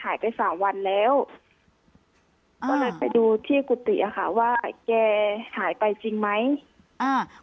หายไปสามวันแล้วก็เลยไปดูที่กุฏิอ่ะค่ะว่าแกหายไปจริงไหมอ่า